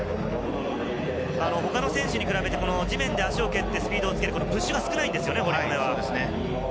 他の選手に比べて地面で足を蹴ってスピードつけるプッシュが少ないですよね。